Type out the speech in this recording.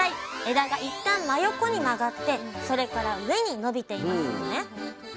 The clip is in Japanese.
枝が一旦真横に曲がってそれから上に伸びていますよね。